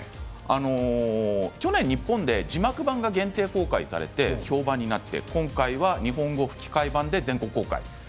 去年、日本で字幕板が限定公開されて、評判になって今回は日本語吹き替え版で全国公開。